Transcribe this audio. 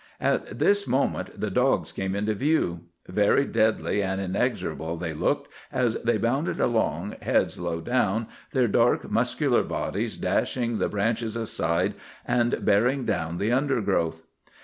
"At this moment the dogs came into view. Very deadly and inexorable they looked as they bounded along, heads low down, their dark, muscular bodies dashing the branches aside and bearing down the undergrowth.